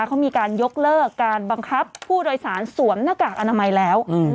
เขามีการยกเลิกการบังคับผู้โดยสารสวมหน้ากากอนามัยแล้ว